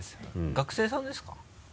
学生さんですか？